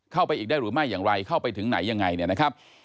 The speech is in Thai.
เข้าไปอีกได้หรือไม่อย่างไรเข้าไปถึงไหนยังไงเนี่ยนะครับ